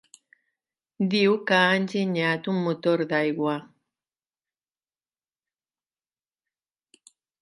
Diu que ha enginyat un motor d'aigua.